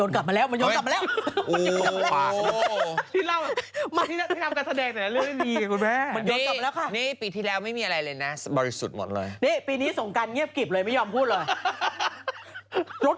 แต่ทำไมเราพูด